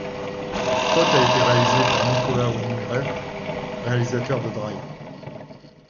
Ce spot a été réalisé par Nicolas Winding Refn, réalisateur de Drive.